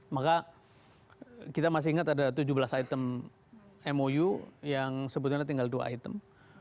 maka kita masih ingat ada tujuh belas item mou yang sebetulnya tinggal dua item